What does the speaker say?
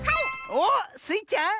おっスイちゃん。